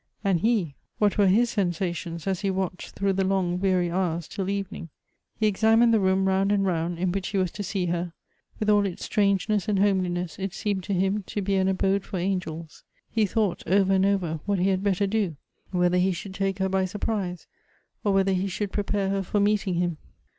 And he, what were his sensations as he watched through the long, weary hours till evening ? He examined the room round and round in which he was to see her; with all its strangeness and homeliness it seemed to him to be an abode for angels. He thought over and over what he had better do ; whether he should take her by surprise, or whether he should prepare her for meeting him.